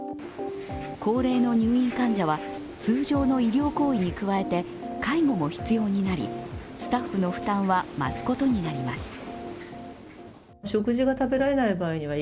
高齢の入院患者は通常の医療行為に加えて介護も必要になりスタッフの負担は増すことになります。